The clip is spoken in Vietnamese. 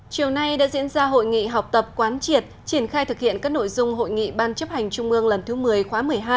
chiều nay đã diễn ra hội nghị học tập quán triệt triển khai thực hiện các nội dung hội nghị ban chấp hành trung ương lần thứ một mươi khóa một mươi hai